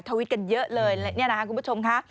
วิตกันเยอะเลยนี่นะคะคุณผู้ชมค่ะ